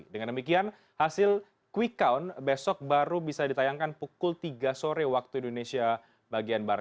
dengan demikian hasil quick count besok baru bisa ditayangkan pukul tiga sore waktu indonesia bagian barat